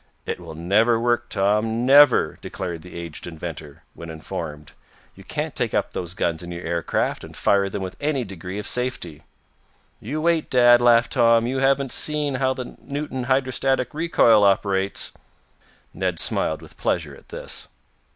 "It will never work, Tom, never!" declared the aged inventor, when informed. "You can't take up those guns in your air craft, and fire them with any degree of safety." "You wait, Dad," laughed Tom. "You haven't yet seen how the Newton hydrostatic recoil operates." Ned smiled with pleasure at this.